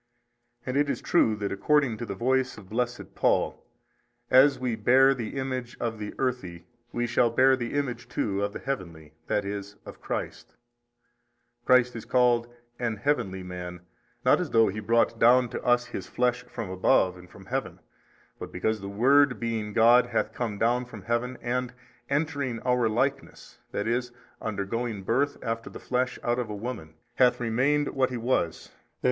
And it is true that according to the voice of blessed Paul, As we hare the image of the earthy we shall hear the image too of the heavenly, i.e. of Christ. Christ is called an heavenly man, not as though He brought down to us His flesh from above and from Heaven 7, but because the Word being God hath come down from Heaven, and entering our likeness, that is, undergoing birth after the flesh from out a woman, hath remained what He was, i. e.